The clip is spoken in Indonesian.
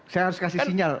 saya harus kasih sinyal